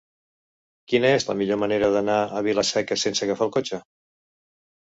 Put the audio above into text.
Quina és la millor manera d'anar a Vila-seca sense agafar el cotxe?